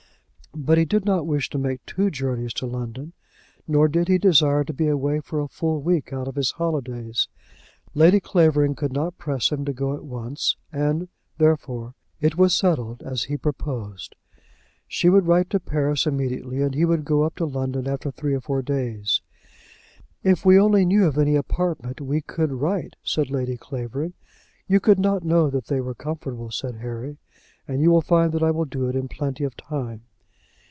But he did not wish to make two journeys to London, nor did he desire to be away for a full week out of his holidays. Lady Clavering could not press him to go at once, and, therefore, it was settled as he proposed. She would write to Paris immediately, and he would go up to London after three or four days. "If we only knew of any apartments, we could write," said Lady Clavering. "You could not know that they were comfortable," said Harry; "and you will find that I will do it in plenty of time."